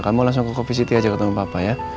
kamu langsung ke covisity aja ketemu papa ya